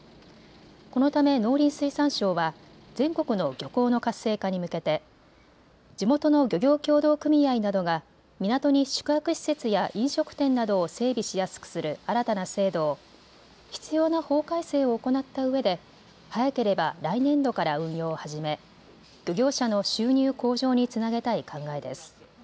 このため農林水産省は全国の漁港の活性化に向けて地元の漁業協同組合などが港に宿泊施設や飲食店などを整備しやすくする新たな制度を必要な法改正を行ったうえで早ければ来年度から運用を始め漁業者の収入向上につなげたい考えです。